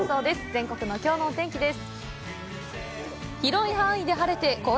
全国のきょうのお天気です。